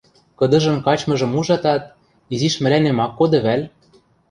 кыдыжын качмыжым ужатат: «Изиш мӹлӓнем ак коды вӓл?